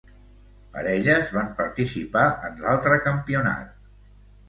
Parelles van participar en l'altre campionat.